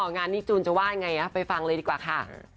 งานนี้จูนจะว่าไงไปฟังเลยดีกว่าค่ะ